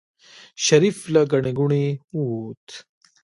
شريف له ګڼې ګوڼې ووت.